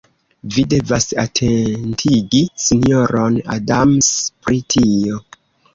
Vi devas atentigi sinjoron Adams pri tio.